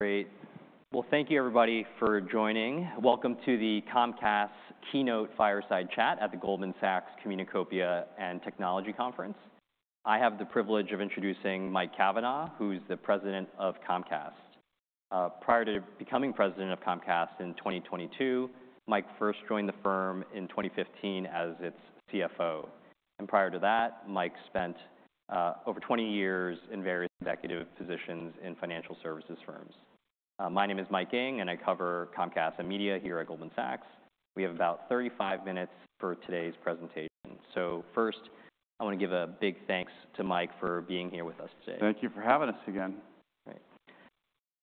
Great! Well, thank you everybody for joining. Welcome to the Comcast Keynote Fireside Chat at the Goldman Sachs Communicopia and Technology Conference. I have the privilege of introducing Mike Cavanagh, who's the president of Comcast. Prior to becoming president of Comcast in 2022, Mike first joined the firm in 2015 as its CFO. And prior to that, Mike spent over 20 years in various executive positions in financial services firms. My name is Mike Ng, and I cover Comcast and Media here at Goldman Sachs. We have about 35 minutes for today's presentation. So first, I want to give a big thanks to Mike for being here with us today. Thank you for having us again. Great.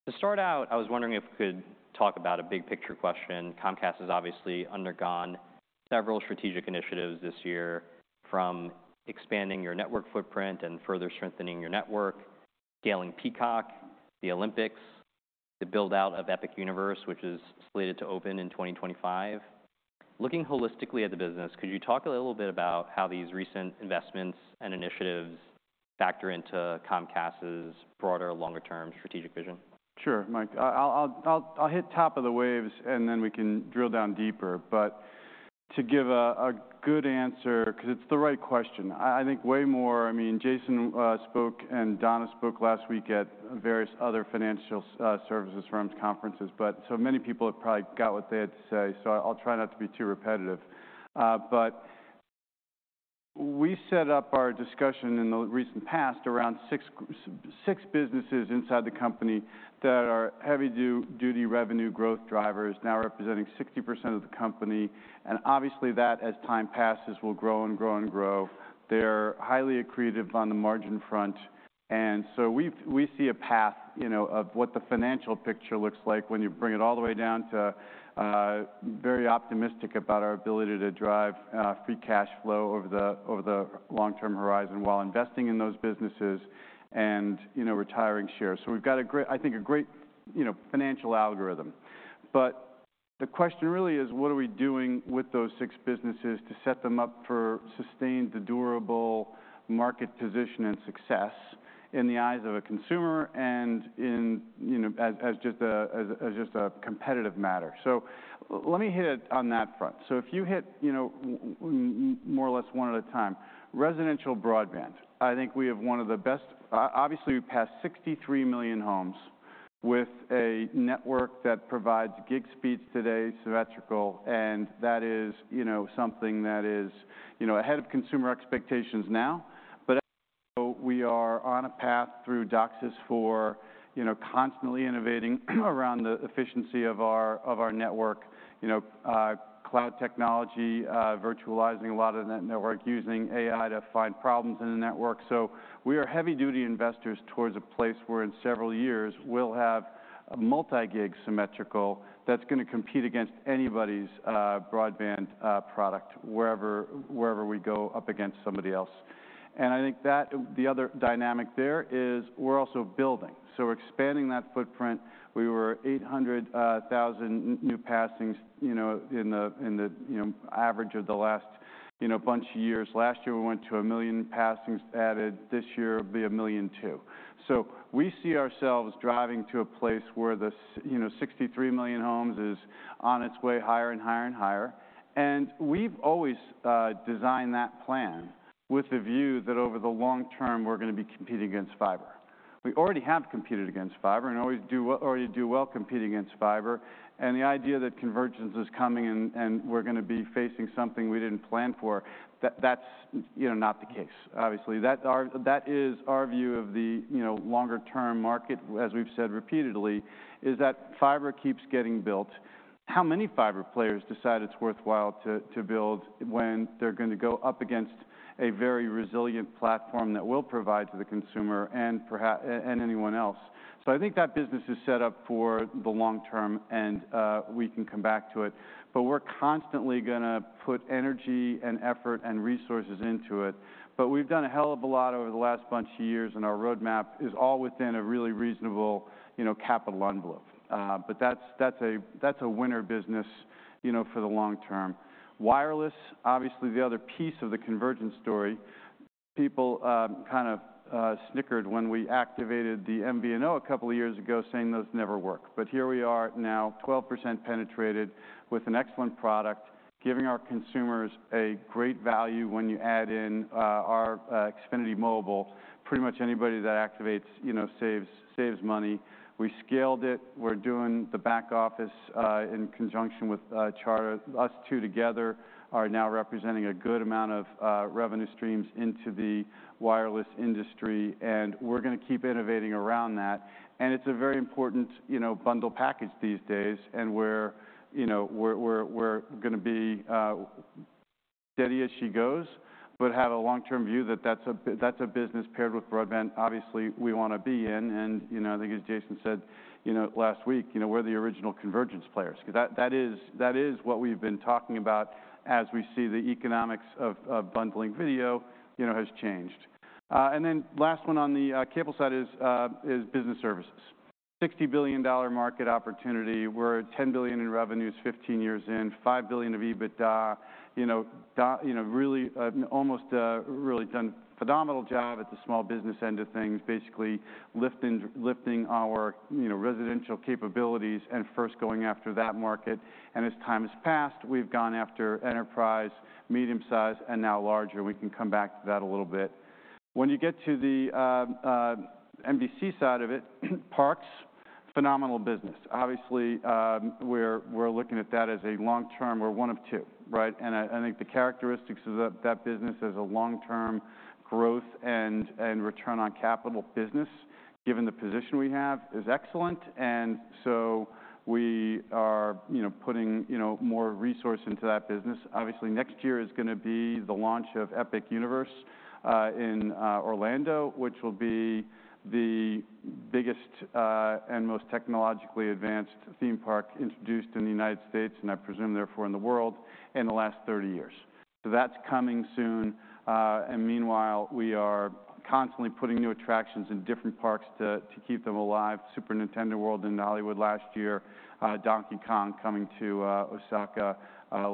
To start out, I was wondering if we could talk about a big picture question. Comcast has obviously undergone several strategic initiatives this year, from expanding your network footprint and further strengthening your network, scaling Peacock, the Olympics, the build-out of Epic Universe, which is slated to open in 2025. Looking holistically at the business, could you talk a little bit about how these recent investments and initiatives factor into Comcast's broader, longer-term strategic vision? Sure, Mike. I'll hit top of the waves, and then we can drill down deeper. But to give a good answer, 'cause it's the right question, I think way more. I mean, Jason spoke, and Donna spoke last week at various other financial services firms conferences, but so many people have probably got what they had to say, so I'll try not to be too repetitive. But we set up our discussion in the recent past around six businesses inside the company that are heavy duty revenue growth drivers, now representing 60% of the company, and obviously, that, as time passes, will grow and grow and grow. They're highly accretive on the margin front. And so we see a path, you know, of what the financial picture looks like when you bring it all the way down to very optimistic about our ability to drive free cash flow over the long-term horizon while investing in those businesses and, you know, retiring shares. So we've got a great, I think, a great, you know, financial algorithm. But the question really is: What are we doing with those six businesses to set them up for sustained, durable market position and success in the eyes of a consumer and in, you know, as just a competitive matter? So let me hit it on that front. So if you hit, you know, more or less one at a time, residential broadband. I think we have one of the best... Obviously, we passed sixty-three million homes with a network that provides gig speeds today, symmetrical, and that is, you know, something that is, you know, ahead of consumer expectations now. But also, we are on a path through DOCSIS for, you know, constantly innovating around the efficiency of our network. You know, cloud technology, virtualizing a lot of that network, using AI to find problems in the network. So we are heavy-duty investors towards a place where in several years, we'll have a multi-gig symmetrical that's gonna compete against anybody's broadband product wherever we go up against somebody else. And I think that the other dynamic there is we're also building, so we're expanding that footprint. We were eight hundred thousand new passings, you know, in the average of the last, you know, bunch of years. Last year, we went to a million passings added. This year, it'll be a million two. So we see ourselves driving to a place where, you know, 63 million homes is on its way higher and higher and higher. And we've always designed that plan with the view that over the long term, we're gonna be competing against fiber. We already have competed against fiber and always do well competing against fiber. And the idea that convergence is coming and we're gonna be facing something we didn't plan for, that's, you know, not the case. Obviously, that is our view of the, you know, longer term market, as we've said repeatedly, is that fiber keeps getting built. How many fiber players decide it's worthwhile to build when they're gonna go up against a very resilient platform that we'll provide to the consumer and anyone else? So I think that business is set up for the long term, and we can come back to it, but we're constantly gonna put energy and effort and resources into it. But we've done a hell of a lot over the last bunch of years, and our roadmap is all within a really reasonable, you know, capital envelope. But that's a winner business, you know, for the long term. Wireless, obviously, the other piece of the convergence story. People kind of snickered when we activated the MVNO a couple of years ago, saying those never work. But here we are now, 12% penetrated with an excellent product, giving our consumers a great value when you add in our Xfinity Mobile. Pretty much anybody that activates, you know, saves money. We scaled it. We're doing the back office in conjunction with Charter. Us two together are now representing a good amount of revenue streams into the wireless industry, and we're gonna keep innovating around that. And it's a very important, you know, bundle package these days, and we're, you know, gonna be steady as she goes, but have a long-term view that that's a business paired with broadband. Obviously, we wanna be in. And, you know, I think as Jason said, you know, last week, you know, we're the original convergence players. 'Cause that, that is, that is what we've been talking about as we see the economics of, of bundling video, you know, has changed. And then last one on the cable side is business services. $60 billion market opportunity. We're at $10 billion in revenues, 15 years in, $5 billion of EBITDA. You know, you know, really, almost, really done phenomenal job at the small business end of things, basically lifting, lifting our, you know, residential capabilities and first going after that market. And as time has passed, we've gone after enterprise, medium-size, and now larger. We can come back to that a little bit. When you get to the NBC side of it, parks, phenomenal business. Obviously, we're, we're looking at that as a long-term. We're one of two, right? And I think the characteristics of that business as a long-term growth and return on capital business, given the position we have, is excellent, and so we are, you know, putting, you know, more resource into that business. Obviously, next year is gonna be the launch of Epic Universe in Orlando, which will be the biggest and most technologically advanced theme park introduced in the United States, and I presume therefore in the world, in the last 30 years. So that's coming soon. And meanwhile, we are constantly putting new attractions in different parks to keep them alive. Super Nintendo World in Hollywood last year, Donkey Kong coming to Osaka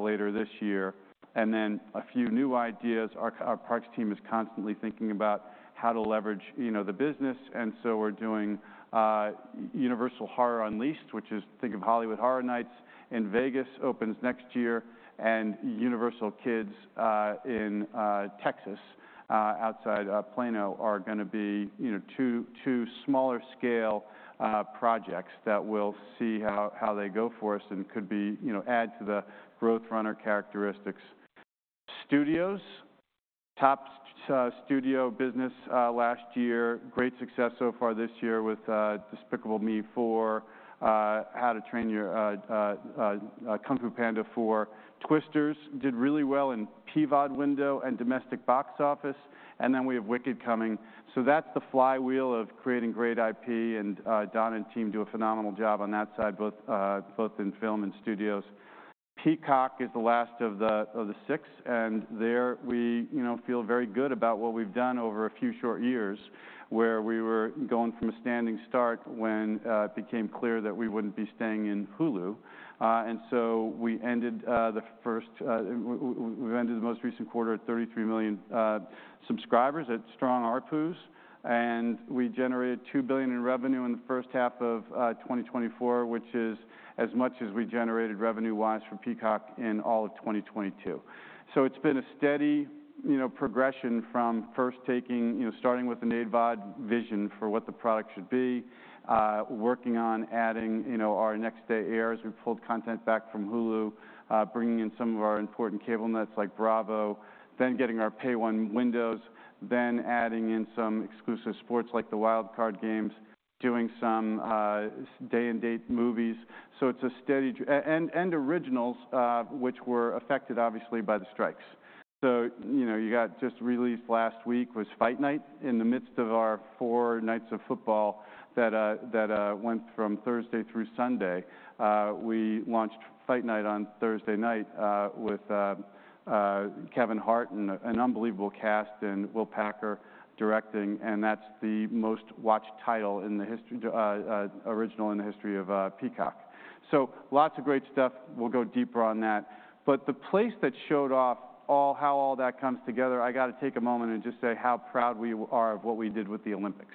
later this year. And then a few new ideas. Our parks team is constantly thinking about how to leverage, you know, the business, and so we're doing Universal Horror Unleashed, which is think of Hollywood Horror Nights in Vegas, opens next year, and Universal Kids in Texas outside Plano are gonna be, you know, two smaller scale projects that we'll see how they go for us and could be... you know, add to the growth runner characteristics. Studios, top studio business last year. Great success so far this year with Despicable Me four, Kung Fu Panda four. Twisters did really well in PVOD window and domestic box office, and then we have Wicked coming. So that's the flywheel of creating great IP, and, Donna and team do a phenomenal job on that side, both, both in film and studios. Peacock is the last of the, of the six, and there we, you know, feel very good about what we've done over a few short years, where we were going from a standing start when, it became clear that we wouldn't be staying in Hulu. And so we ended, the first, we ended the most recent quarter at 33 million, subscribers at strong ARPUs, and we generated $2 billion in revenue in the first half of, 2024, which is as much as we generated revenue-wise from Peacock in all of 2022. So it's been a steady, you know, progression from first starting with an AVOD vision for what the product should be, working on adding, you know, our next day air as we pulled content back from Hulu, bringing in some of our important cable nets like Bravo, then getting our Pay-1 windows, then adding in some exclusive sports like the Wild Card games, doing some day-and-date movies. So it's a steady and originals, which were affected obviously by the strikes. So, you know, you got just released last week was Fight Night. In the midst of our four nights of football that went from Thursday through Sunday. We launched Fight Night on Thursday night with Kevin Hart and an unbelievable cast, and Will Packer directing, and that's the most-watched original in the history of Peacock. So lots of great stuff. We'll go deeper on that. But the place that showed off how all that comes together, I got to take a moment and just say how proud we are of what we did with the Olympics.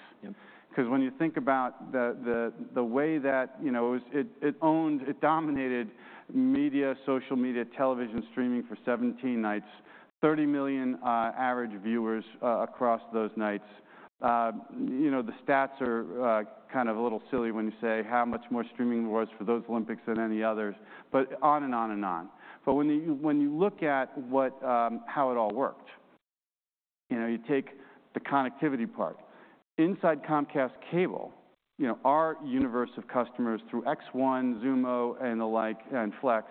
Yeah. 'Cause when you think about the way that, you know, it owned, it dominated media, social media, television streaming for 17 nights, 30 million average viewers across those nights. You know, the stats are kind of a little silly when you say how much more streaming there was for those Olympics than any others, but on and on, and on, but when you look at how it all worked, you know, you take the connectivity part. Inside Comcast Cable, you know, our universe of customers through X1, Xumo, and the like, and Flex,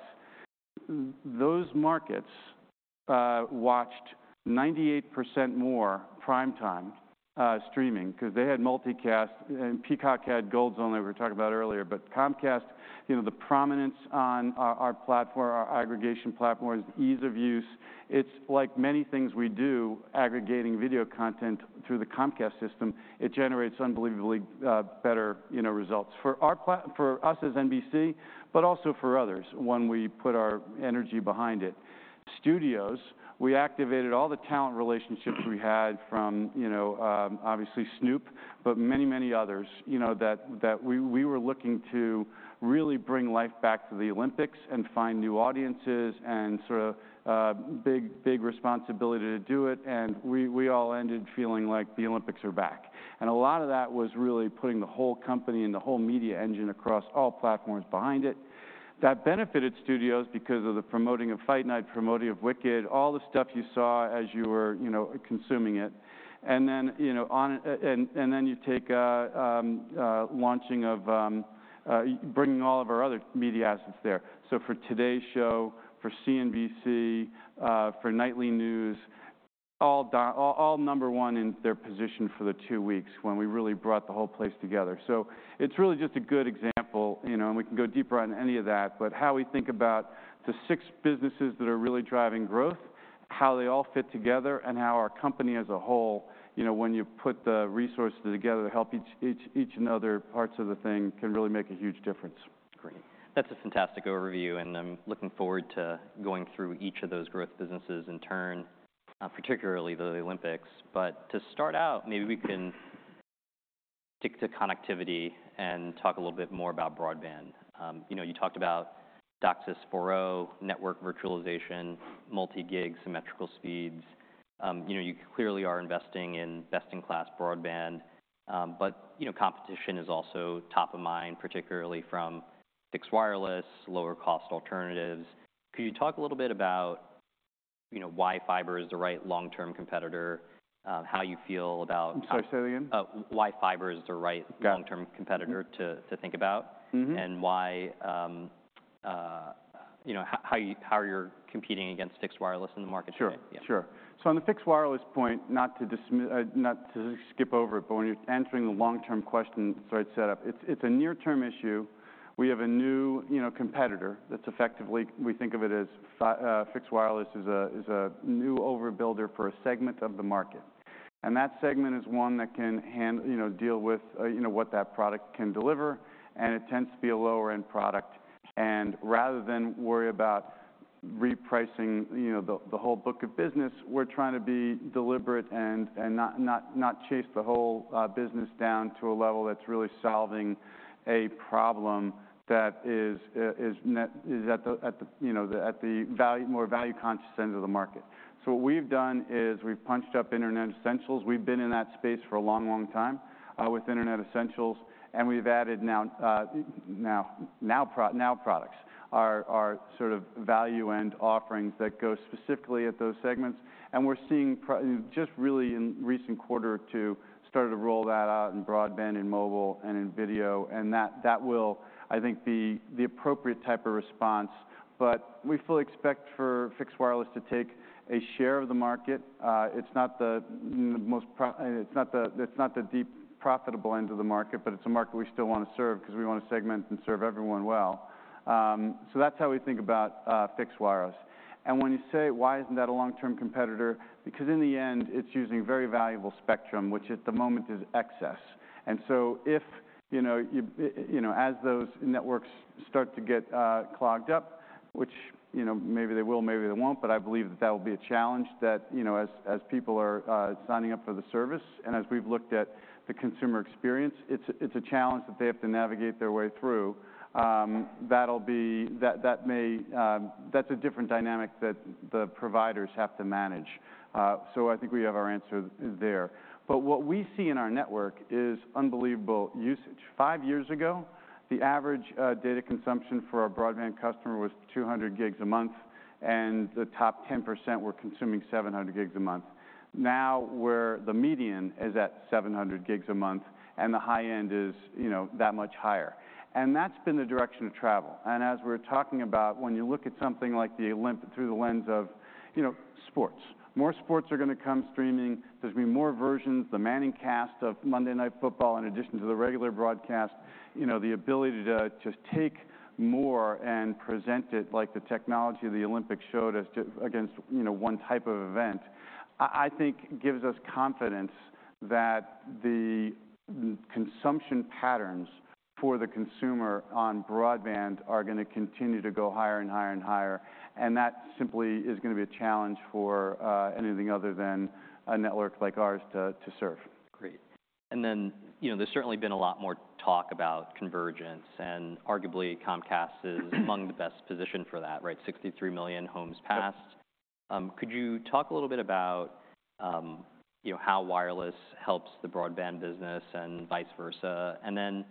those markets watched 98% more primetime streaming 'cause they had multicast, and Peacock had Gold Zone only, we were talking about earlier, but Comcast, you know, the prominence on our platform, our aggregation platform is ease of use. It's like many things we do, aggregating video content through the Comcast system, it generates unbelievably better, you know, results. For our part, for us as NBC, but also for others when we put our energy behind it. Studios, we activated all the talent relationships we had from, you know, obviously Snoop, but many, many others, you know, that we were looking to really bring life back to the Olympics and find new audiences, and sort of big, big responsibility to do it, and we all ended feeling like the Olympics are back. And a lot of that was really putting the whole company and the whole media engine across all platforms behind it. That benefited studios because of the promoting of Fight Night, promoting of Wicked, all the stuff you saw as you were, you know, consuming it. And then, you know, on and then you take launching of bringing all of our other media assets there. So for Today Show, for CNBC, for Nightly News, all number one in their position for the two weeks when we really brought the whole place together. So it's really just a good example, you know, and we can go deeper on any of that, but how we think about the six businesses that are really driving growth. How they all fit together and how our company as a whole, you know, when you put the resources together to help each and other parts of the thing, can really make a huge difference. Great. That's a fantastic overview, and I'm looking forward to going through each of those growth businesses in turn, particularly the Olympics. But to start out, maybe we can stick to connectivity and talk a little bit more about broadband. You know, you talked about DOCSIS 4.0, network virtualization, multi-gig symmetrical speeds. You know, you clearly are investing in best-in-class broadband, but, you know, competition is also top of mind, particularly from fixed wireless, lower-cost alternatives. Could you talk a little bit about, you know, why fiber is the right long-term competitor, how you feel about- I'm sorry, say it again? Why fiber is the right- Got it... long-term competitor to think about? Mm-hmm. Why, you know, how you're competing against fixed wireless in the market today? Sure, sure. So on the fixed wireless point, not to skip over it, but when you're answering a long-term question, so I'd set up, it's a near-term issue. We have a new, you know, competitor that's effectively... We think of it as fixed wireless, a new overbuilder for a segment of the market. And that segment is one that can handle, you know, deal with, you know, what that product can deliver, and it tends to be a lower-end product. And rather than worry about repricing, you know, the whole book of business, we're trying to be deliberate and not chase the whole business down to a level that's really solving a problem that is at the, you know, the more value-conscious end of the market. So what we've done is we've punched up Internet Essentials. We've been in that space for a long, long time with Internet Essentials, and we've added now products are sort of value-end offerings that go specifically at those segments. And we're seeing just really in recent quarter or two, started to roll that out in broadband and mobile and in video, and that will, I think, be the appropriate type of response. But we fully expect for fixed wireless to take a share of the market. It's not the most profitable end of the market, but it's a market we still want to serve because we want to segment and serve everyone well. So that's how we think about fixed wireless. And when you say: Why isn't that a long-term competitor? Because in the end, it's using very valuable spectrum, which at the moment is excess. And so if you know you you know as those networks start to get clogged up which you know maybe they will maybe they won't but I believe that that will be a challenge that you know as people are signing up for the service and as we've looked at the consumer experience it's a challenge that they have to navigate their way through. That'll be that may that's a different dynamic that the providers have to manage so I think we have our answer there but what we see in our network is unbelievable usage. Five years ago the average data consumption for our broadband customer was two hundred gigs a month and the top 10% were consuming seven hundred gigs a month. Now, we're the median is at seven hundred gigs a month, and the high end is, you know, that much higher. And that's been the direction of travel. And as we're talking about, when you look at something like the Olympics through the lens of, you know, sports, more sports are going to come streaming. There's going to be more versions, the ManningCast of Monday Night Football, in addition to the regular broadcast. You know, the ability to take more and present it, like the technology of the Olympics showed us, to augment, you know, one type of event, I think gives us confidence that the consumption patterns for the consumer on broadband are going to continue to go higher and higher and higher, and that simply is going to be a challenge for anything other than a network like ours to serve. Great. And then, you know, there's certainly been a lot more talk about convergence, and arguably, Comcast is among the best positioned for that, right? 63 million homes passed. Could you talk a little bit about, you know, how wireless helps the broadband business and vice versa? And then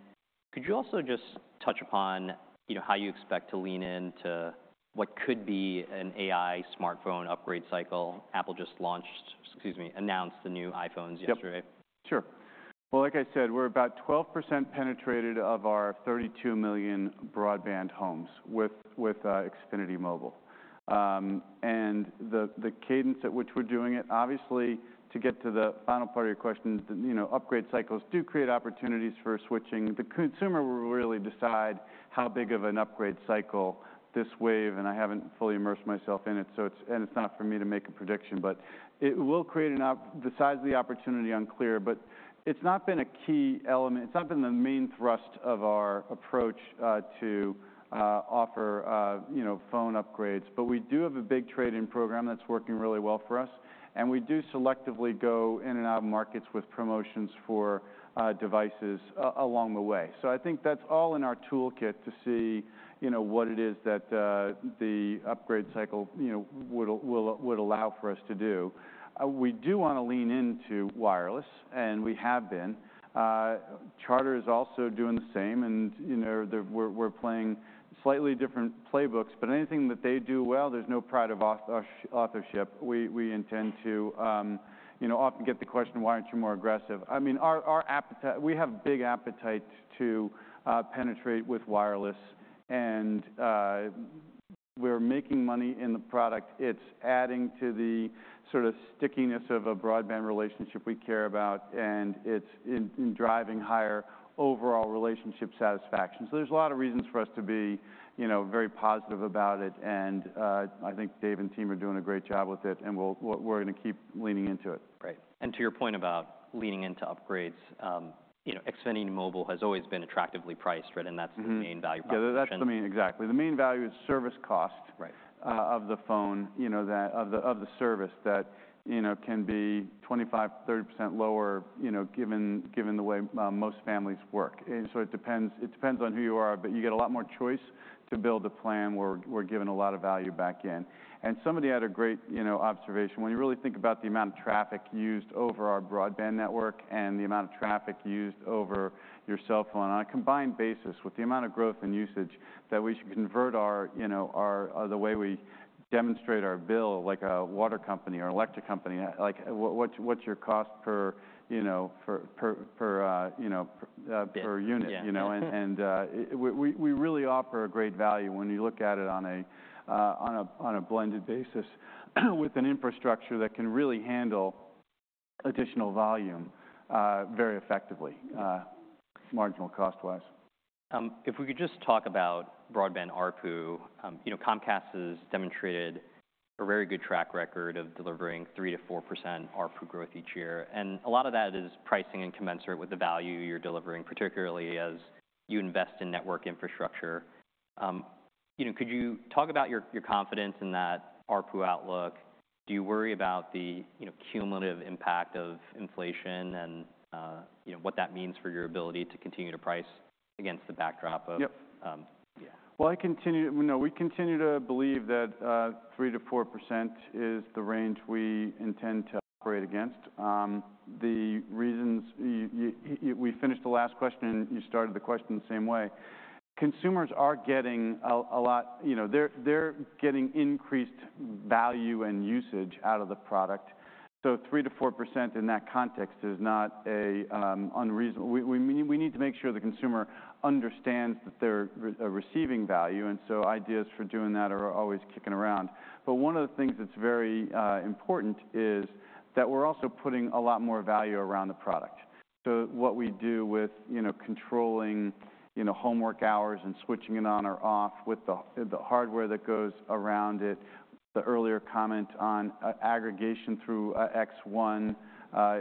could you also just touch upon, you know, how you expect to lean into what could be an AI smartphone upgrade cycle? Apple just launched, excuse me, announced the new iPhones yesterday. Yep. Sure. Well, like I said, we're about 12% penetrated of our 32 million broadband homes with Xfinity Mobile. And the cadence at which we're doing it, obviously, to get to the final part of your question, you know, upgrade cycles do create opportunities for switching. The consumer will really decide how big of an upgrade cycle this wave is, and I haven't fully immersed myself in it, so it's not for me to make a prediction, but it will create an opportunity, the size of the opportunity, unclear, but it's not been a key element. It's not been the main thrust of our approach to offer, you know, phone upgrades. But we do have a big trade-in program that's working really well for us, and we do selectively go in and out of markets with promotions for devices along the way. So I think that's all in our toolkit to see, you know, what it is that the upgrade cycle, you know, would allow for us to do. We do want to lean into wireless, and we have been. Charter is also doing the same, and, you know, they're. We're playing slightly different playbooks, but anything that they do well, there's no pride of authorship. We intend to. You know, I often get the question, "Why aren't you more aggressive?" I mean, our appetite. We have big appetite to penetrate with wireless, and we're making money in the product. It's adding to the... sort of stickiness of a broadband relationship we care about, and it's in driving higher overall relationship satisfaction. So there's a lot of reasons for us to be, you know, very positive about it, and I think Dave and team are doing a great job with it, and we're going to keep leaning into it. Great. And to your point about leaning into upgrades, you know, Xfinity Mobile has always been attractively priced, right? Mm-hmm. That's the main value proposition. Yeah, that's the main. Exactly. The main value is service cost. Right of the phone, you know, that of the service that, you know, can be 25%-30% lower, you know, given the way most families work. So it depends on who you are, but you get a lot more choice to build a plan where we're giving a lot of value back in. Somebody had a great, you know, observation. When you really think about the amount of traffic used over our broadband network and the amount of traffic used over your cell phone, on a combined basis, with the amount of growth and usage, that we should convert our, you know, the way we demonstrate our bill, like a water company or electric company, like, what's your cost per, you know, per Bit... per unit? Yeah. You know, and we really offer a great value when you look at it on a blended basis, with an infrastructure that can really handle additional volume very effectively, marginal cost-wise. If we could just talk about broadband ARPU. You know, Comcast has demonstrated a very good track record of delivering 3%-4% ARPU growth each year, and a lot of that is pricing and commensurate with the value you're delivering, particularly as you invest in network infrastructure. You know, could you talk about your confidence in that ARPU outlook? Do you worry about the, you know, cumulative impact of inflation and, you know, what that means for your ability to continue to price against the backdrop of- Yep. Um, yeah. You know, we continue to believe that 3%-4% is the range we intend to operate against. The reasons you... We finished the last question, and you started the question the same way. Consumers are getting a lot, you know, they're getting increased value and usage out of the product, so 3%-4% in that context is not a unreasonable. We mean, we need to make sure the consumer understands that they're receiving value, and so ideas for doing that are always kicking around. One of the things that's very important is that we're also putting a lot more value around the product. What we do with, you know, controlling, you know, homework hours and switching it on or off with the hardware that goes around it. The earlier comment on aggregation through X1,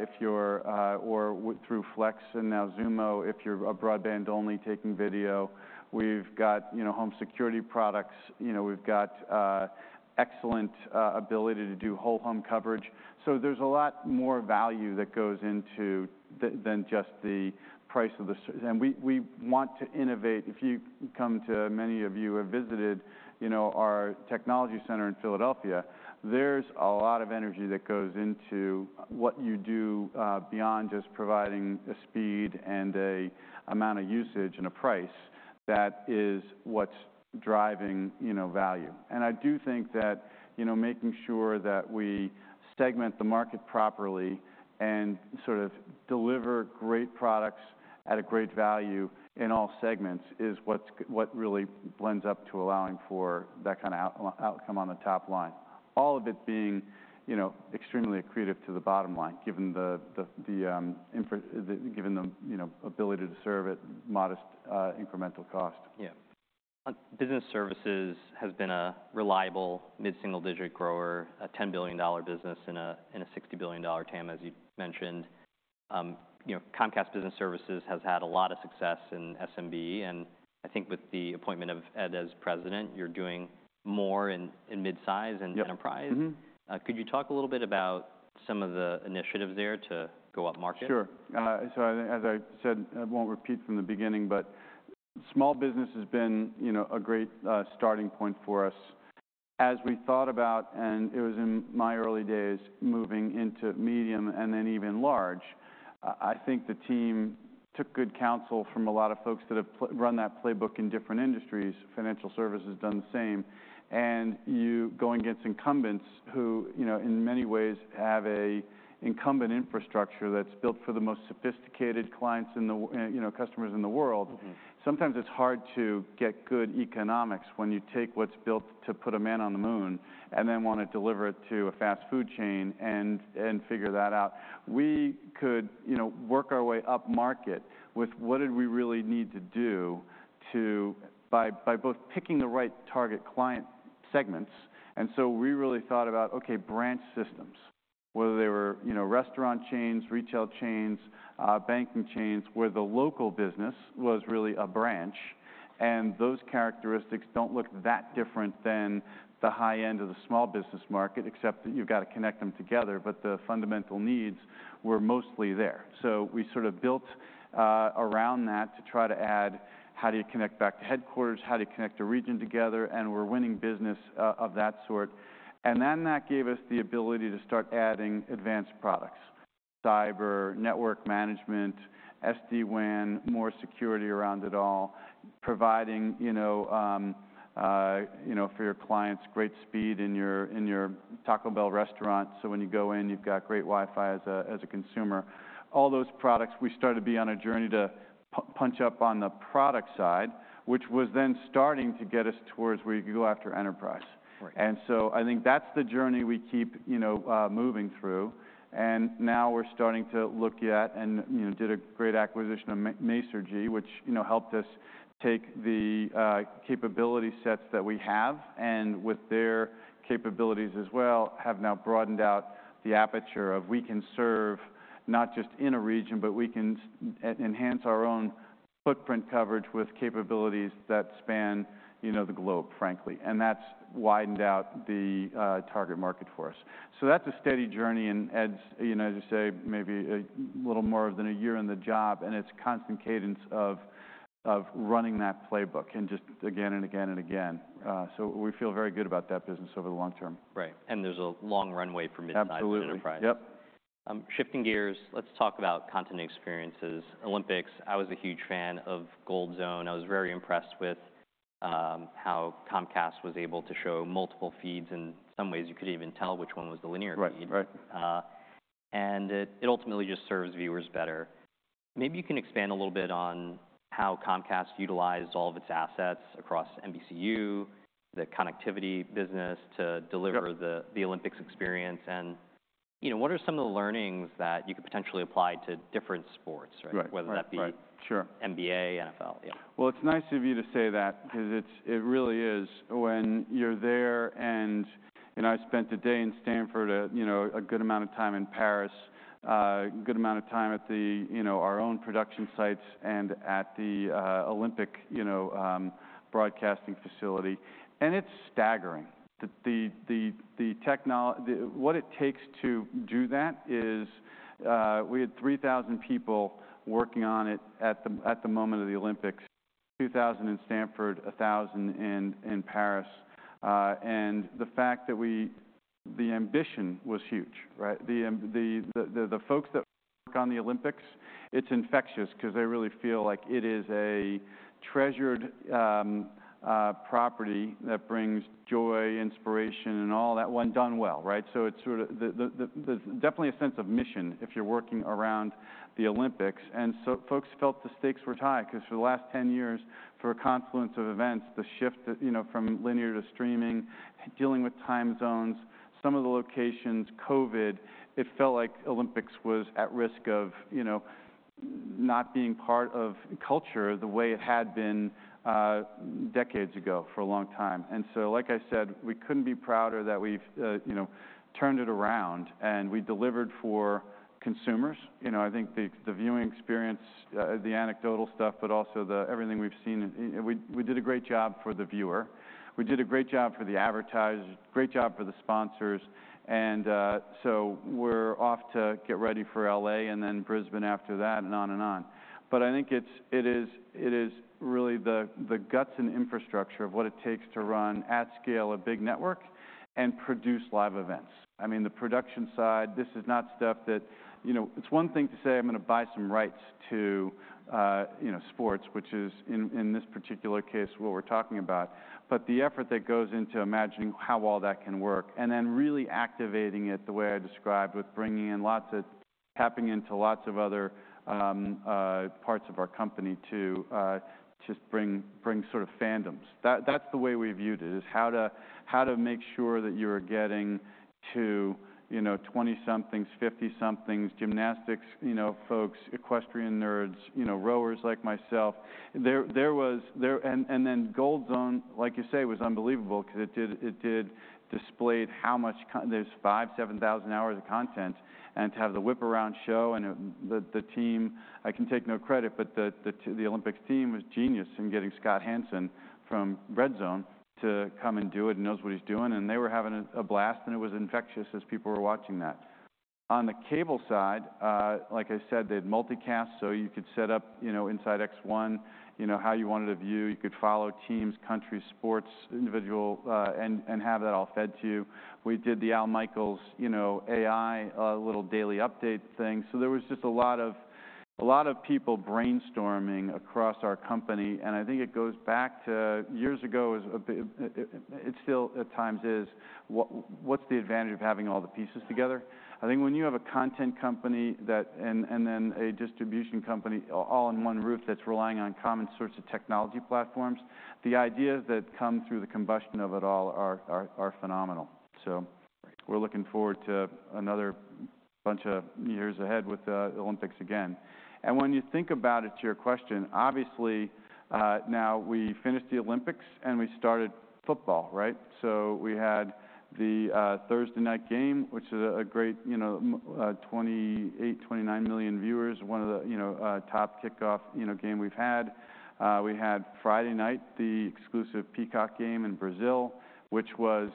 if you're or through Flex and now Xumo, if you're broadband only taking video. We've got, you know, home security products. You know, we've got excellent ability to do whole home coverage. So there's a lot more value that goes into than just the price of the service. And we want to innovate. If you come to... Many of you have visited, you know, our technology center in Philadelphia, there's a lot of energy that goes into what you do, beyond just providing a speed and a amount of usage and a price. That is what's driving, you know, value. And I do think that, you know, making sure that we segment the market properly and sort of deliver great products at a great value in all segments is what really builds up to allowing for that kind of outcome on the top line. All of it being, you know, extremely accretive to the bottom line, given the ability to serve at modest incremental cost. Yeah. Business services has been a reliable mid-single digit grower, a $10 billion business in a $60 billion TAM, as you've mentioned. You know, Comcast Business Services has had a lot of success in SMB, and I think with the appointment of Ed as president, you're doing more in midsize- Yep -and enterprise. Mm-hmm. Could you talk a little bit about some of the initiatives there to go up market? Sure. So as I said, I won't repeat from the beginning, but small business has been, you know, a great starting point for us. As we thought about, and it was in my early days, moving into medium and then even large, I think the team took good counsel from a lot of folks that have run that playbook in different industries. Financial services has done the same. And you go against incumbents who, you know, in many ways, have a incumbent infrastructure that's built for the most sophisticated clients in the world, you know, customers in the world. Mm-hmm. Sometimes it's hard to get good economics when you take what's built to put a man on the moon and then want to deliver it to a fast food chain and figure that out. We could, you know, work our way up market with what did we really need to do to by both picking the right target client segments. So we really thought about, okay, branch systems, whether they were, you know, restaurant chains, retail chains, banking chains, where the local business was really a branch, and those characteristics don't look that different than the high end of the small business market, except that you've got to connect them together, but the fundamental needs were mostly there. So we sort of built around that to try to add: how do you connect back to headquarters? How do you connect a region together? And we're winning business of that sort. And then that gave us the ability to start adding advanced products, cyber, network management, SD-WAN, more security around it all, providing, you know, for your clients, great speed in your Taco Bell restaurant. So when you go in, you've got great Wi-Fi as a consumer. All those products, we started to be on a journey to punch up on the product side, which was then starting to get us towards where you could go after enterprise. Right. And so I think that's the journey we keep, you know, moving through. And now we're starting to look at and, you know, did a great acquisition of Masergy, which, you know, helped us take the capability sets that we have, and with their capabilities as well, have now broadened out the aperture of we can serve not just in a region, but we can enhance our own footprint coverage with capabilities that span, you know, the globe, frankly. And that's widened out the target market for us. So that's a steady journey, and as, you know, as I say, maybe a little more than a year in the job, and it's constant cadence of running that playbook and just again and again and again. So we feel very good about that business over the long term. Right. And there's a long runway for midsize- Absolutely. - enterprise. Yep. Shifting gears, let's talk about content experiences. Olympics, I was a huge fan of Gold Zone. I was very impressed with how Comcast was able to show multiple feeds. In some ways, you couldn't even tell which one was the linear feed. Right. Right. And it ultimately just serves viewers better. Maybe you can expand a little bit on how Comcast utilized all of its assets across NBCU, the connectivity business, to deliver- Yep... the Olympics experience, and you know, what are some of the learnings that you could potentially apply to different sports, right? Right. Right, right. Whether that be- Sure... NBA, NFL, yeah. It's nice of you to say that because it really is when you're there and... You know, I spent a day in Stamford, you know, a good amount of time in Paris, a good amount of time at the, you know, our own production sites and at the, Olympic, you know, broadcasting facility, and it's staggering. The technology. What it takes to do that is, we had 3,000 people working on it at the moment of the Olympics, 2,000 in Stamford, 1,000 in Paris. And the fact that we-- the ambition was huge, right? The folks that work on the Olympics, it's infectious because they really feel like it is a treasured property that brings joy, inspiration, and all that when done well, right? So it's sort of the there's definitely a sense of mission if you're working around the Olympics. And so folks felt the stakes were high because for the last ten years, through a confluence of events, the shift that, you know, from linear to streaming, dealing with time zones, some of the locations, COVID, it felt like Olympics was at risk of, you know, not being part of culture the way it had been decades ago for a long time. And so, like I said, we couldn't be prouder that we've you know, turned it around and we delivered for consumers. You know, I think the viewing experience, the anecdotal stuff, but also everything we've seen, and we did a great job for the viewer. We did a great job for the advertisers, great job for the sponsors, and so we're off to get ready for LA and then Brisbane after that, and on and on. But I think it is really the guts and infrastructure of what it takes to run at scale a big network and produce live events. I mean, the production side, this is not stuff that... You know, it's one thing to say: I'm going to buy some rights to, you know, sports, which is in this particular case, what we're talking about. But the effort that goes into imagining how all that can work and then really activating it the way I described, with bringing in lots of, tapping into lots of other parts of our company to just bring sort of fandoms. That, that's the way we viewed it, is how to make sure that you are getting to, you know, twenty-somethings, fifty-somethings, gymnastics, you know, folks, equestrian nerds, you know, rowers like myself. Then Gold Zone, like you say, was unbelievable because it displayed how much content—there's five, seven thousand hours of content, and to have the whip-around show and the team, I can take no credit, but the Olympic team was genius in getting Scott Hanson from RedZone to come and do it and knows what he's doing, and they were having a blast, and it was infectious as people were watching that. On the cable side, like I said, they had multicast, so you could set up, you know, inside X1, you know, how you wanted to view. You could follow teams, countries, sports, individual, and have that all fed to you. We did the Al Michaels, you know, AI, little daily update thing. So there was just a lot of, a lot of people brainstorming across our company, and I think it goes back to years ago, it, it still at times is, what, what's the advantage of having all the pieces together? I think when you have a content company that... and, and then a distribution company all in one roof that's relying on common sorts of technology platforms, the ideas that come through the combustion of it all are, are, are phenomenal. So- Right... we're looking forward to another bunch of years ahead with the Olympics again, and when you think about it, to your question, obviously, now we finished the Olympics, and we started football, right, so we had the Thursday night game, which is a great, you know, 28-29 million viewers, one of the, you know, top kickoff, you know, game we've had. We had Friday night, the exclusive Peacock game in Brazil, which was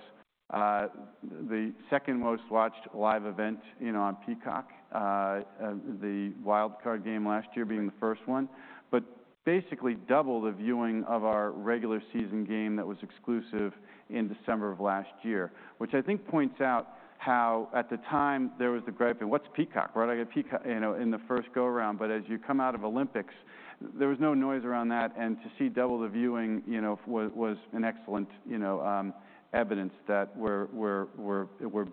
the second most watched live event, you know, on Peacock, the wildcard game last year being the first one. But basically double the viewing of our regular season game that was exclusive in December of last year, which I think points out how, at the time, there was the gripe: "What's Peacock? Why do I get Peacock?" You know, in the first go-around. But as you come out of Olympics, there was no noise around that, and to see double the viewing, you know, was an excellent, you know, evidence that we're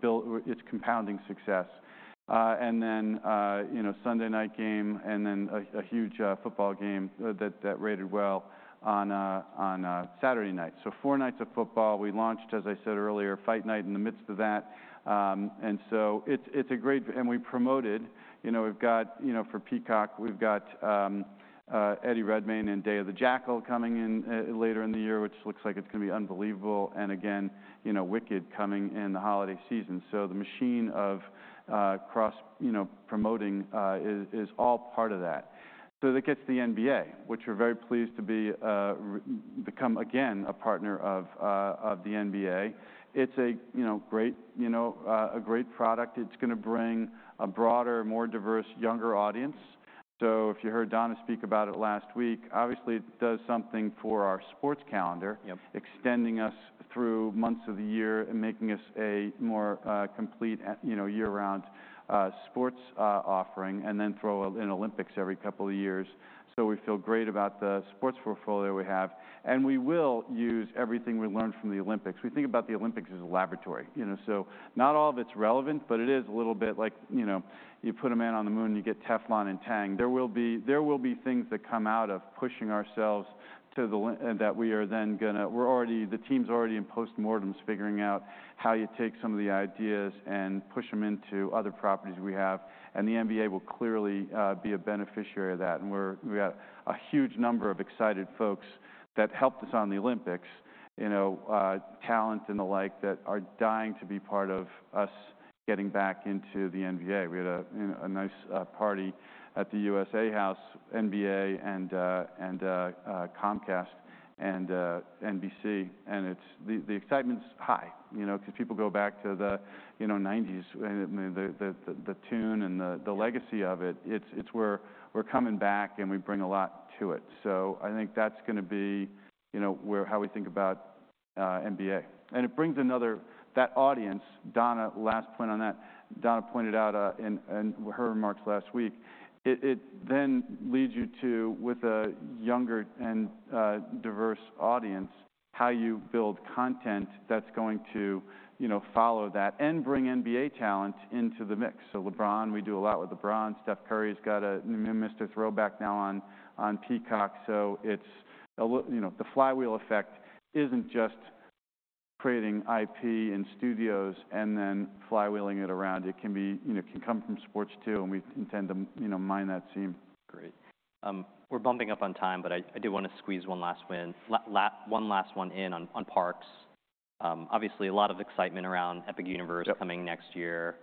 built. It's compounding success. And then, you know, Sunday night game, and then a huge football game that rated well on a Saturday night. So four nights of football. We launched, as I said earlier, Fight Night in the midst of that. And so it's a great. And we promoted. You know, we've got, you know. For Peacock, we've got Eddie Redmayne in Day of the Jackal coming in later in the year, which looks like it's gonna be unbelievable, and again, you know, Wicked coming in the holiday season. So the machine of cross-promoting, you know, is all part of that. So that gets the NBA, which we're very pleased to be re-become again a partner of the NBA. It's, you know, a great product. It's gonna bring a broader, more diverse, younger audience. So if you heard Donna speak about it last week, obviously, it does something for our sports calendar. Yep... extending us through months of the year and making us a more, complete, you know, year-round, sports, offering, and then throw in Olympics every couple of years. So we feel great about the sports portfolio we have, and we will use everything we learned from the Olympics. We think about the Olympics as a laboratory, you know, so not all of it's relevant, but it is a little bit like, you know, you put a man on the moon, you get Teflon and Tang. There will be things that come out of pushing ourselves that we are then gonna. The team's already in post-mortems, figuring out how you take some of the ideas and push them into other properties we have, and the NBA will clearly be a beneficiary of that. And we got a huge number of excited folks that helped us on the Olympics, you know, talent and the like, that are dying to be part of us getting back into the NBA. We had, you know, a nice party at the USA House, NBA, and Comcast and NBC, and it's. The excitement's high, you know, because people go back to the, you know, nineties, and, I mean, the tone and the legacy of it. It's. We're coming back, and we bring a lot to it. So I think that's gonna be, you know, how we think about NBA. It brings that audience, Donna. Last point on that, Donna pointed out in her remarks last week. It then leads you to, with a younger and diverse audience, how you build content that's going to, you know, follow that and bring NBA talent into the mix. So LeBron, we do a lot with LeBron. Steph Curry's got a, you know, Mr. Throwback now on Peacock. So it's, you know, the flywheel effect isn't just creating IP and studios and then flywheeling it around. It can be, you know, it can come from sports, too, and we intend to, you know, mine that seam. Great. We're bumping up on time, but I did want to squeeze one last one in on parks. Obviously, a lot of excitement around Epic Universe- Yep... coming next year.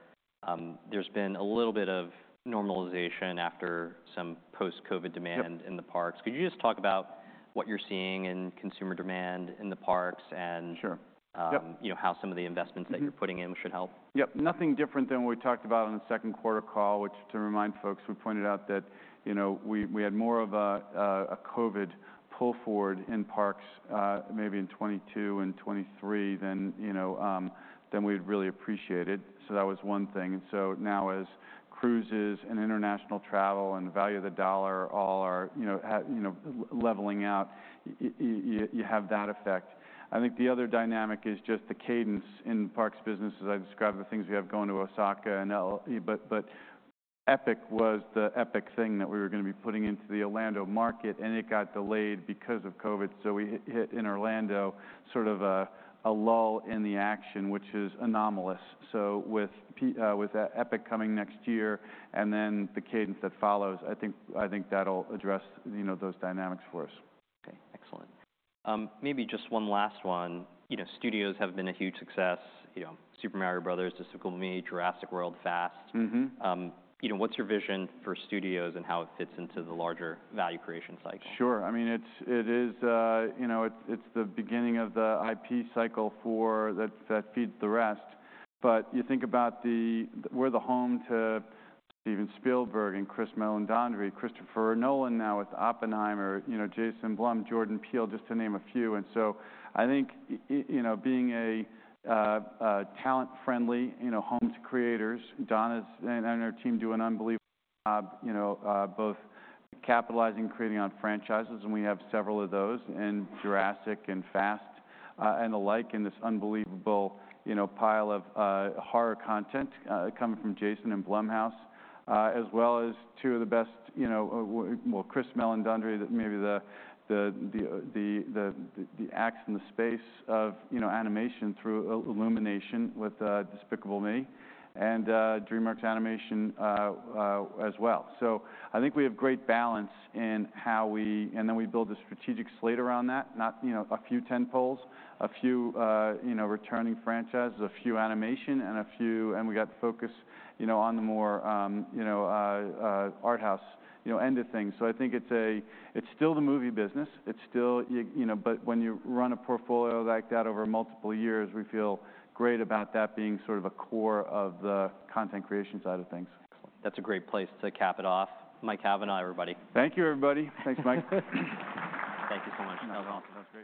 There's been a little bit of normalization after some post-COVID demand- Yep... in the parks. Could you just talk about what you're seeing in consumer demand in the parks and- Sure. Yep... you know, how some of the investments- Mm-hmm... that you're putting in should help? Yep, nothing different than what we talked about on the second quarter call, which, to remind folks, we pointed out that, you know, we had more of a COVID pull forward in parks, maybe in 2022 and 2023 than, you know, than we'd really appreciated. So that was one thing. And so now, as cruises and international travel and the value of the dollar all are, you know, you know, leveling out, you have that effect. I think the other dynamic is just the cadence in the parks business, as I described, the things we have going to Osaka and L.A. But Epic was the epic thing that we were going to be putting into the Orlando market, and it got delayed because of COVID, so we hit in Orlando sort of a lull in the action, which is anomalous. So with that Epic coming next year and then the cadence that follows, I think that'll address, you know, those dynamics for us. Okay, excellent. Maybe just one last one. You know, studios have been a huge success. You know, Super Mario Bros., Despicable Me, Jurassic World, Fast. Mm-hmm. You know, what's your vision for studios and how it fits into the larger value creation cycle? Sure. I mean, it is, you know, it's the beginning of the IP cycle for... that feeds the rest. But you think about the- we're the home to Steven Spielberg and Chris Meledandri, Christopher Nolan, now with Oppenheimer, you know, Jason Blum, Jordan Peele, just to name a few. And so I think you know, being a talent-friendly you know home to creators, Donna's and her team do an unbelievable job, you know, both capitalizing and creating on franchises, and we have several of those, in Jurassic and Fast and the like, and this unbelievable you know pile of horror content coming from Jason and Blumhouse, as well as two of the best you know well Chris Meledandri, maybe the acts in the space of you know animation through Illumination with Despicable Me, and DreamWorks Animation as well. So I think we have great balance in how we... And then we build a strategic slate around that. Not you know a few tentpoles, a few you know returning franchises, a few animation and a few... And we got to Focus, you know, on the more, you know, art house, you know, end of things. So I think it's still the movie business. It's still, you know, but when you run a portfolio like that over multiple years, we feel great about that being sort of a core of the content creation side of things. That's a great place to cap it off. Mike Cavanagh, everybody. Thank you, everybody. Thanks, Mike. Thank you so much. That was awesome. That was great.